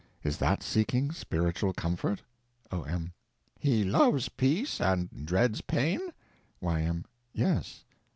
Is that seeking spiritual comfort? O.M. He loves peace and dreads pain? Y.M. Yes.